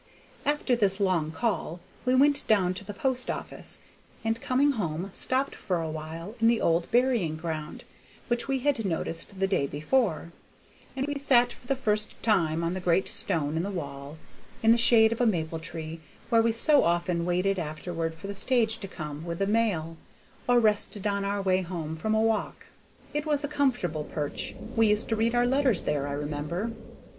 '" After this long call we went down to the post office, and coming home stopped for a while in the old burying ground, which we had noticed the day before; and we sat for the first time on the great stone in the wall, in the shade of a maple tree, where we so often waited afterward for the stage to come with the mail, or rested on our way home from a walk. It was a comfortable perch; we used to read our letters there, I remember.